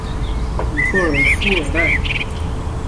古托尔弗尔代。